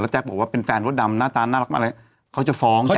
แจ็กฟังทีก่อนคือจ